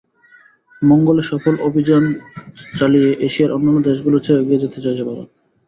মঙ্গলে সফল অভিযান চালিয়ে এশিয়ার অন্যান্য দেশগুলোর চেয়ে এগিয়ে যেতে চাইছে ভারত।